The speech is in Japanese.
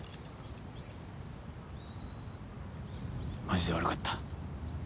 マジで悪かった。